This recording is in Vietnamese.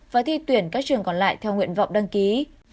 và thi tuyển các trường còn lại theo nguyện vọng đăng ký